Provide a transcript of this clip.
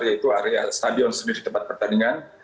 yaitu area stadion sendiri di tempat pertandingan